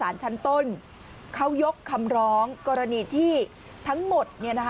ชั้นต้นเขายกคำร้องกรณีที่ทั้งหมด